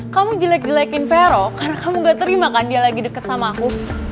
kamu jelek jelekin perok karena kamu gak terima kan dia lagi deket sama aku